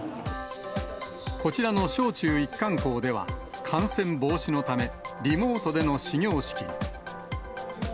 こちらの小中一貫校では、感染防止のため、リモートでの始業式に。